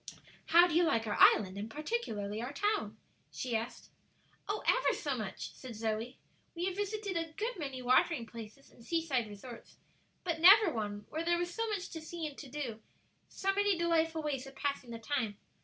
"How do you like our island, and particularly our town?" she asked. "Oh, ever so much!" said Zoe. "We have visited a good many watering places and sea side resorts, but never one where there was so much to see and to do; so many delightful ways of passing the time.